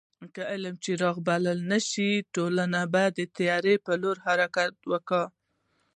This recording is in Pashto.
که د علم څراغ بل نسي ټولنه به د تورتم په لور حرکت وکړي.